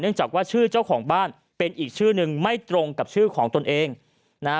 จากว่าชื่อเจ้าของบ้านเป็นอีกชื่อนึงไม่ตรงกับชื่อของตนเองนะฮะ